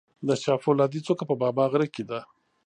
د شاه فولادي څوکه په بابا غر کې ده